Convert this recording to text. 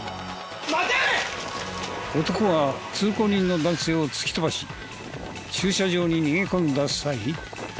男は通行人の男性を突き飛ばし駐車場に逃げ込んだ際。